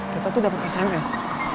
kita tuh dapet sms